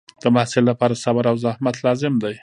د محصل لپاره صبر او زحمت لازم دی.